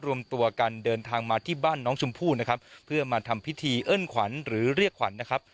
รวมตัวกันเดินทางมาที่บ้านน้องชมพู่นะครับเพื่อมาทำพิธีเอิ้นขวัญหรือเรียกขวัญนะครับ